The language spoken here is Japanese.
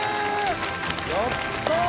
やったぁ。